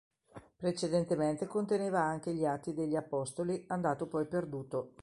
Precedentemente conteneva anche gli "Atti degli Apostoli", andato poi perduto.